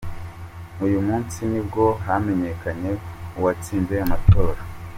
Uyu munsi nibwo hamenyekanye uwatsinze amatora.